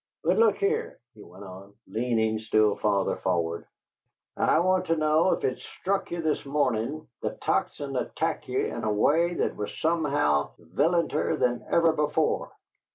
But look here," he went on, leaning still farther forward; "I want to know if it struck ye that this morning the Tocsin attacked ye in a way that was somehow vi'lenter than ever before?"